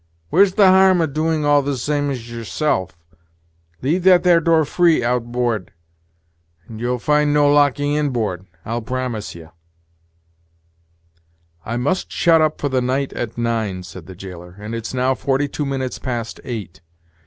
Where's the harm o' doing all the same as yourself? Leave that there door free out board, and you'll find no locking inboard, I'll promise ye." "I must shut up for the night at nine," said the jailer, "and it's now forty two minutes past eight."